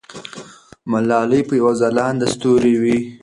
ملالۍ به یو ځلانده ستوری وي.